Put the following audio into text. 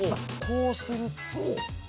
こうすると。